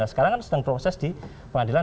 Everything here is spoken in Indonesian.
sekarang kan sedang proses di pengadilan